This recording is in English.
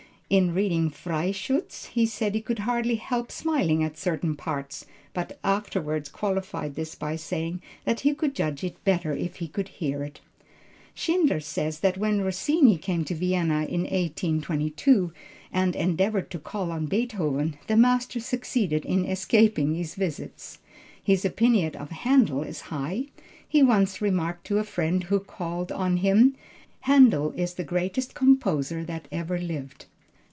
In reading Freischutz, he said he could hardly help smiling at certain parts, but afterward qualified this by saying that he could judge it better if he could hear it. Schindler says, that when Rossini came to Vienna in 1822, and endeavored to call on Beethoven, the master succeeded in escaping his visits. His opinion of Händel is high. He once remarked to a friend who called on him, "Händel is the greatest composer that ever lived."